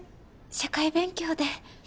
社会勉強？